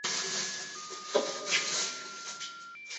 公共交通是北韩交通的骨干。